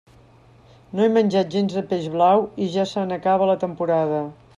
No he menjat gens de peix blau i ja se n'acaba la temporada.